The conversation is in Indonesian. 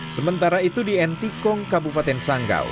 sementara itu di entikong kabupaten sanggau